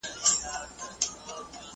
هغه مین دی پر لمبو شمع په خوب کي ویني `